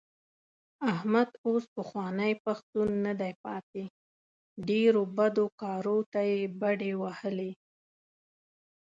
احمد اوس پخوانی پښتون نه دی پاتې. ډېرو بدو کارو ته یې بډې وهلې.